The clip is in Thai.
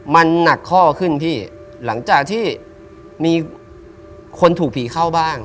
มันหนักข้อขึ้นพี่หลังจากที่มีคนถูกผีเข้าบ้าง